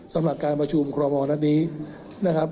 สำหรับการประชุมคอรมอลนัดนี้นะครับ